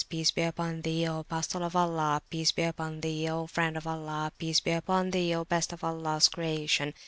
Peace be upon Thee, O Apostle of Allah! Peace be upon Thee, O Friend of Allah! Peace be upon Thee, O best of Allah's Creation!